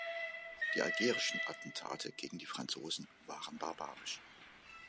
Die algerischen Attentate gegen die Franzosen waren barbarisch.